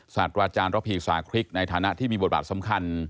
สัตว์อาจารย์รพีศาคลิกในฐานะที่มีบทบาทสำคัญ